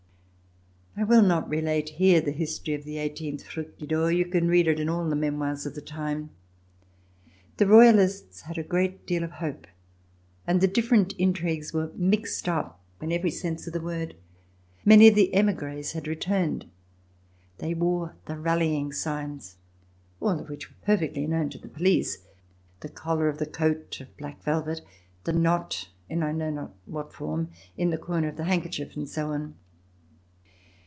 I will not relate here the history of the i8 Fructidor. You can read it in all the memoirs of the time. The Royalists had a great deal of hope and the different intrigues were mixed up in every sense of the word. Many of the emigres had returned. They wore the rallying signs, all of which were perfectly known to the police : the collar of the coat of black velvet, a knot, in I know not what form, in the corner of the handkerchief and so on.